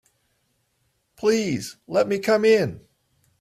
Please let me come in.